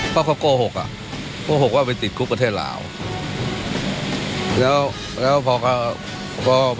เมื่อซีมอนเช่าชาญด้านการนำความอยู่แล้ว